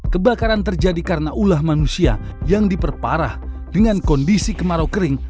kebakaran terjadi karena ulah manusia yang diperparah dengan kondisi kemarau kering